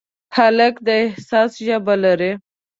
هلک د احساس ژبه لري.